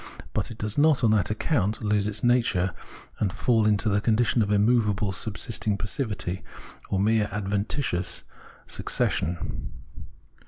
But it does not, on that account, lose its nature and fall into the condition of immovable subsisting passivity, or mere adventitious {gleichgiiltig) succession.